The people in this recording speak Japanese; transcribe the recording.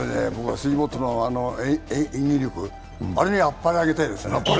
杉本のあの演技力、あれには、あっぱれあげたいですね